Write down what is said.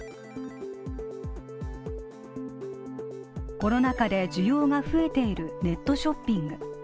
コロナ禍で需要が増えているネットショッピング